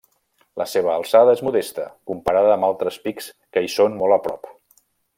La seva alçada és modesta, comparada amb altres pics que hi són molt a prop.